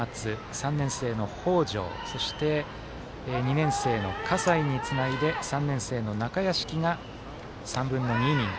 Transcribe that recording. ３年生の北條そして、２年生の葛西につないで３年生の中屋敷が３分の２イニング。